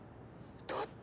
だって。